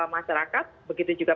masyarakat begitu juga